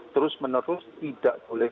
terus menerus tidak boleh